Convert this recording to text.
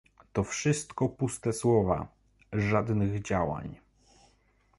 To wszystko puste słowa, żadnych działań